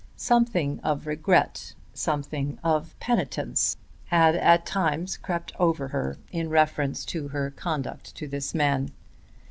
Something of regret, something of penitence had at times crept over her in reference to her conduct to this man.